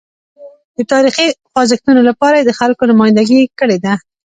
د تاریخي خوځښتونو لپاره یې د خلکو نمایندګي کړې ده.